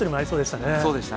そうでしたね。